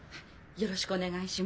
よろしくお願いします。